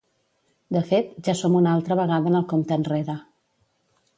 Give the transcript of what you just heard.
De fet, ja som una altra vegada en el compte enrere.